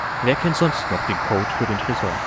Wer kennt sonst noch den Code für den Tresor?